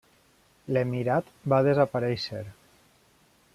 L'emirat va desaparèixer.